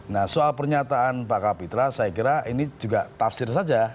nah soal pernyataan pak kapitra saya kira ini juga tafsir saja